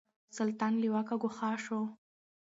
سلطان له واکه ګوښه شو.